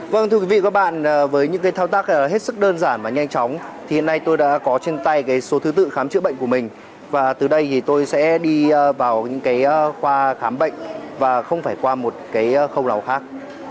vâng thưa quý vị và các bạn với những thao tác hết sức đơn giản và nhanh chóng thì hiện nay tôi đã có trên tay số thứ tự khám chữa bệnh của mình và từ đây thì tôi sẽ đi vào những khoa khám bệnh và không phải qua một cái khâu nào khác